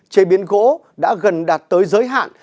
chế biến gỗ đã gần đạt tới giới hạn